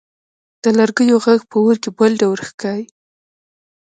د لرګیو ږغ په اور کې بل ډول ښکاري.